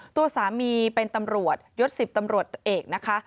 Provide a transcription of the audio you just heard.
ตัวสามีเป็นตำรวจยศ๑๐ตำรวจเอกนะคะ